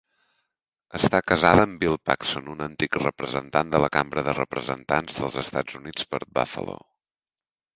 Està casada amb Bill Paxon, un antic representant de la Cambra de Representants dels Estats Units per Buffalo.